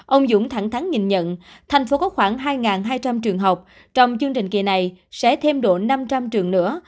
ông dũng thẳng thắng nhìn nhận thành phố có khoảng hai hai trăm linh trường học trong chương trình kỳ này sẽ thêm độ năm trăm linh trường nữa